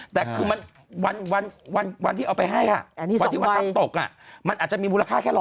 แต่คือมันวันที่เอาไปให้วันที่วันทำตกมันอาจจะมีมูลค่าแค่๑๐๐